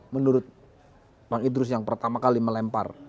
menurut bang idrus yang pertama kali melempar